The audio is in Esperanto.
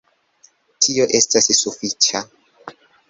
Tio estas sufiĉa...